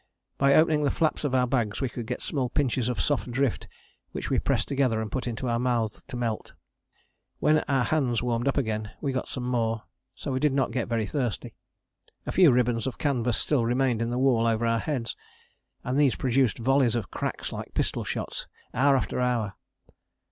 By opening the flaps of our bags we could get small pinches of soft drift which we pressed together and put into our mouths to melt. When our hands warmed up again we got some more; so we did not get very thirsty. A few ribbons of canvas still remained in the wall over our heads, and these produced volleys of cracks like pistol shots hour after hour.